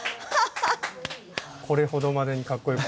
これほどまでにかっこよく。